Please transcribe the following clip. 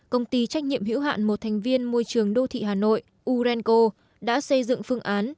công ty trách nhiệm hữu hạn một thành viên môi trường đô thị hà nội urenco đã xây dựng phương án